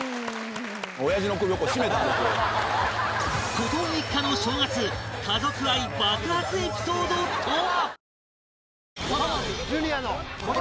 小峠一家の正月家族愛爆発エピソードとは？